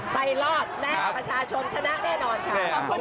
ไปรอดและประชาชนชนะแน่นอนค่ะ